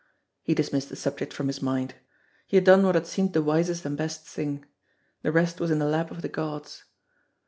He dismissed the subject from his mind. He had done what had seemed the wisest and best thing. The rest was in the lap of the gods.